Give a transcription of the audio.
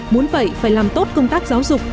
muốn vậy phải làm tốt công tác giáo dục